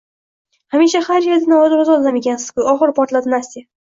Hamisha har yerda norozi odam ekansiz-ku! – oxiri portladi Nastya.